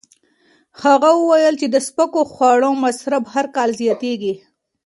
هغه وویل چې د سپکو خوړو مصرف هر کال زیاتېږي.